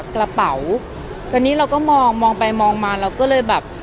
กระเป๋าตอนนี้เราก็มองมองไปมองมาเราก็เลยแบบ